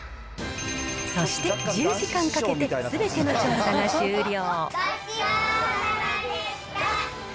そして、１０時間かけて、すべての調査が終了。